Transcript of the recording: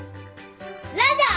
ラジャー。